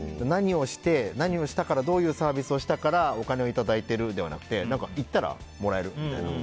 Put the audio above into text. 何をしたからどういうサービスをしたからお金をいただいてるじゃなくて行ったらもらえるみたいな。